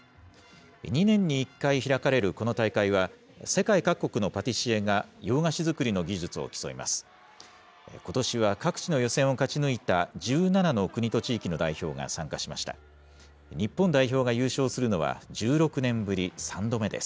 ２年に１回開かれるこの大会は、世界各国のパティシエが洋菓子作りの技術を競います。